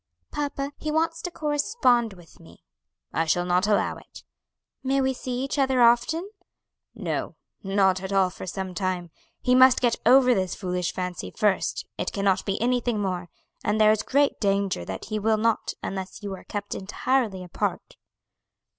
"Papa, he wants to correspond with me." "I shall not allow it." "May we see each other often?" "No; not at all for some time. He must get over this foolish fancy first, it cannot be anything more; and there is great danger that he will not unless you are kept entirely apart."